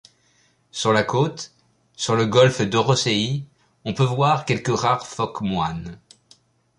Sur la côte, sur le golfe d'Orosei, on peut voir quelques rares phoques moines.